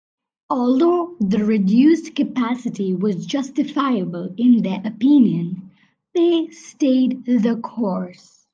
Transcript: Although the reduced capacity was justifiable in their opinion, they stayed the course.